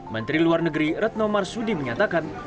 menteri luar negeri retno marsudi menyatakan